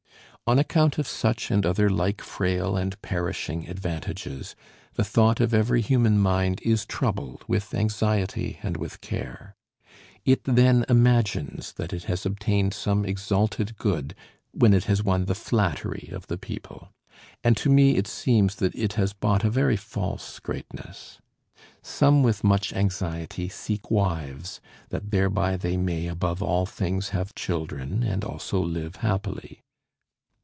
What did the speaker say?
On account of such and other like frail and perishing advantages, the thought of every human mind is troubled with anxiety and with care. It then imagines that it has obtained some exalted good when it has won the flattery of the people; and to me it seems that it has bought a very false greatness. Some with much anxiety seek wives, that thereby they may above all things have children, and also live happily.